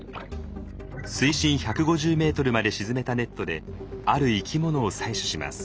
水深１５０ｍまで沈めたネットである生き物を採取します。